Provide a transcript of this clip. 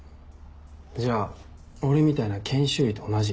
じゃあ俺みたいな研修医と同じ。